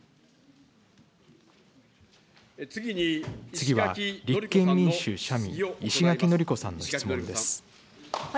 次は立憲民主・社民、石垣のりこさんの質問です。